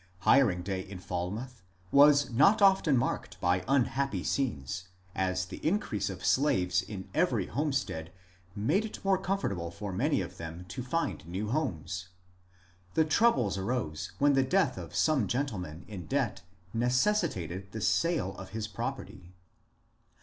Hiring day in Falmouth was not often marked by unhappy scenes, as the increase of slaves in every home stead made it more comfortable for many of them to find new homes. The troubles arose when the death of some gentleman in debt necessitated the sale of his property.